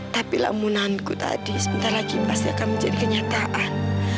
tapi lamunanku tadi sebentar lagi pasti akan menjadi kenyataan